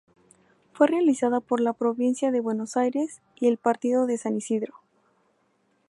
Fue realizada por la Provincia de Buenos Aires y el Partido de San Isidro.